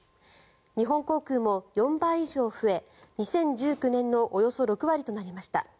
日本航空も４倍以上増え２０１９年のおよそ６割となりました。